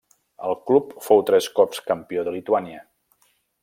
El club fou tres cops campió de Lituània.